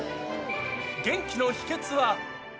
元気の秘けつは。